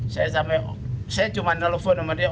saya sampai saya cuma nelfon sama dia